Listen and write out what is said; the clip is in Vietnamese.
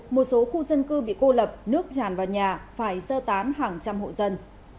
một số khu dân cư bị cô lập nước tràn vào nhà phải sơ tán hàng trăm hộ dân